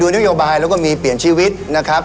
แล้วก็มีเปลี่ยนชีวิตนะครับ